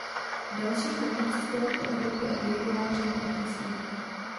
V dalších letech cestoval po Evropě a dirigoval přední orchestry.